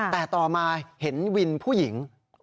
แต่ต่อมาเห็นวินผู้หญิง